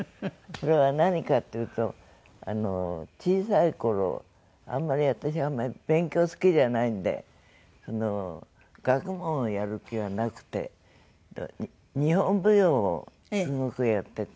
それは何かっていうと小さい頃あんまり私勉強好きじゃないんで学問をやる気がなくて日本舞踊をすごくやってて。